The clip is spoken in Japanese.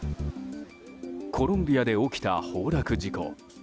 コロンビアで起きた崩落事故。